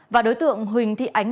và đối tượng huỳnh thị ánh